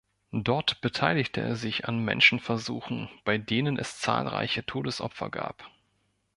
Dort beteiligte er sich an Menschenversuchen, bei denen es zahlreiche Todesopfer gab.